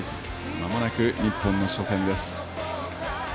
まもなく日本の初戦です。